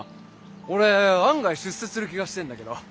俺案外出世する気がしてんだけど。